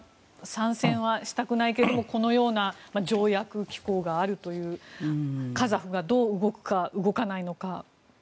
参戦はしたくないけれどもこのような条約機構があるというカザフがどう動くか動かないのか。